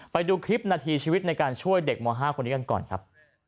ไปดูคลิปนาทีชีวิตในการช่วยเด็กม๕คนนี้กันก่อนครับ